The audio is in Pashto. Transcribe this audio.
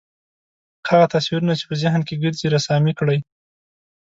هغه تصویرونه چې په ذهن کې ګرځي رسامي کړئ.